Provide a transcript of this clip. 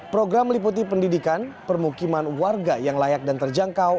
program meliputi pendidikan permukiman warga yang layak dan terjangkau